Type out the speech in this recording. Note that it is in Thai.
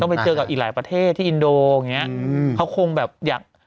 ไปเจอกับอีกหลายประเทศที่อินโดอย่างเงี้ยอืมเขาคงแบบอยาก